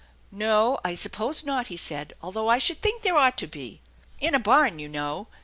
" No, I suppose not," he said, " although I should think there ought to be. In a barn, you know.